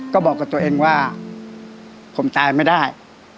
ก็บอกกับตัวเองว่าผมตายไม่ได้